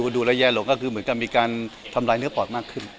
ดูแล้วแย่ลงก็คือเหมือนกับมีการทำลายเนื้อปอดมากขึ้น